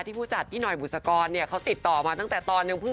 ที่หัวจาทปี้หน่อยบุษกรเขาติดต่อมาตั้งแต่ตอนยัง